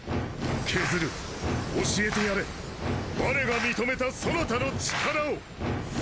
ケズル教えてやれわれが認めたそなたの力を！！